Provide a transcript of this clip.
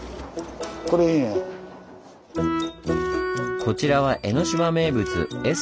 こちらは江の島名物エスカー。